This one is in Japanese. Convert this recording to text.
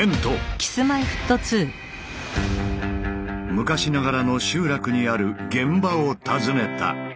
昔ながらの集落にある現場を訪ねた。